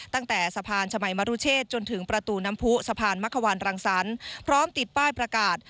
ตั้งแต่สะพานชมัยมรุเชษจนถึงประตูน้ำผู้สะพานมะขวานรังสรรค์พร้อมติดป้ายประกาศ